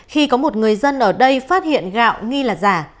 khi có một người dân ở đây phát hiện gạo nghi là giả